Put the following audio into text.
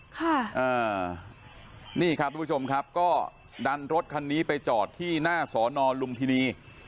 ค่ะอ่านี่ครับทุกผู้ชมครับก็ดันรถคันนี้ไปจอดที่หน้าสอนอลุมพินี